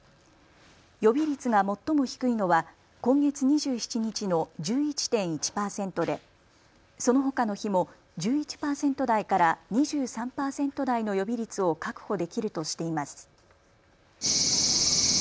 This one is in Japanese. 予備率が最も低いのは今月２７日の１１．１％でそのほかの日も１１％台から２３％台の予備率を確保できるとしています。